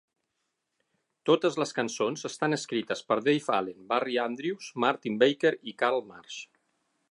Totes les cançons estan escrites per Dave Allen, Barry Andrews, Martyn Barker i Carl Marsh.